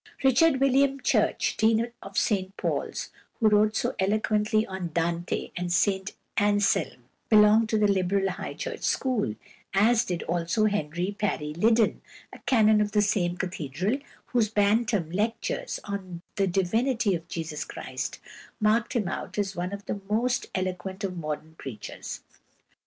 =Richard William Church (1815 1890)=, Dean of St Paul's, who wrote so eloquently on Dante and St Anselm, belonged to the Liberal High Church school, as did also =Henry Parry Liddon (1829 1890)=, a canon of the same cathedral, whose Bampton lectures "On the Divinity of Jesus Christ" marked him out as one of the most eloquent of modern preachers.